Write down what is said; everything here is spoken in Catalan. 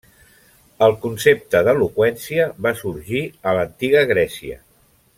El concepte d'eloqüència va sorgir a l'antiga Grècia.